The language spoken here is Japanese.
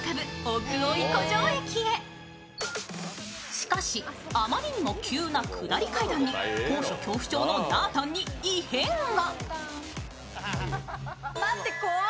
しかし、あまりにも急な下り階段に高所恐怖症のなーたんに異変が。